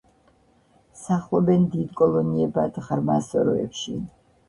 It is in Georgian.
სახლობენ დიდ კოლონიებად, ღრმა სოროებში.